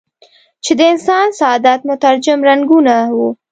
چې د انسان سعادت مترجم رنګونه وو.